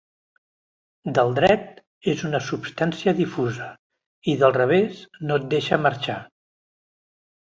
Del dret és una substància difusa i del revés no et deixa marxar.